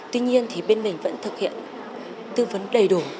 tuy nhiên thì bên mình vẫn thực hiện tư vấn đầy đủ